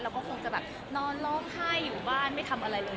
คงจะแบบนอนร้องไห้อยู่บ้านไม่ทำอะไรเลย